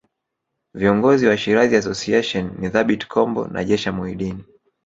Viongozi wa Shirazi Association ni Thabit Kombo na Jecha Muhidini